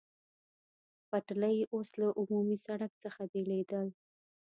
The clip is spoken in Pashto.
پټلۍ اوس له عمومي سړک څخه بېلېدل.